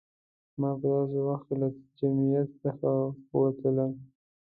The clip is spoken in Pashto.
ما په داسې وخت کې له جمعیت څخه ووتلم.